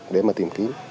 để mà tìm kiếm